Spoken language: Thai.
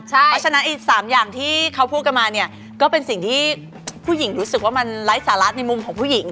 เพราะฉะนั้นอีก๓อย่างที่เขาพูดกันมาเนี่ยก็เป็นสิ่งที่ผู้หญิงรู้สึกว่ามันไร้สาระในมุมของผู้หญิง